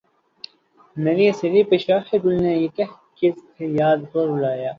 مری اسیری پہ شاخِ گل نے یہ کہہ کے صیاد کو رلایا